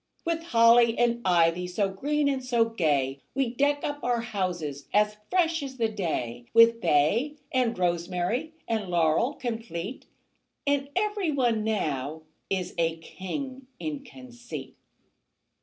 With holly and ivy So green and so gay, We deck up our houses As fresh as the day; With bay and rosemary And laurel complete; And every one now Is a king in conceit.